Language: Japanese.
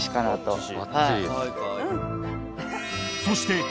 ［そして］